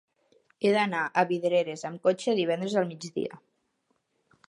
He d'anar a Vidreres amb cotxe divendres al migdia.